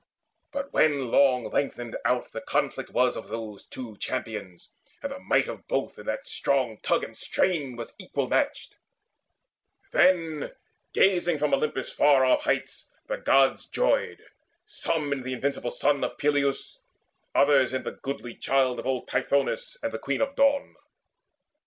But when long lengthened out the conflict was Of those two champions, and the might of both In that strong tug and strain was equal matched, Then, gazing from Olympus' far off heights, The Gods joyed, some in the invincible son Of Peleus, others in the goodly child Of old Tithonus and the Queen of Dawn.